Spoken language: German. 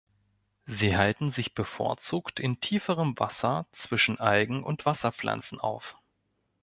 Sie halten sich bevorzugt in tieferem Wasser zwischen Algen und Wasserpflanzen auf.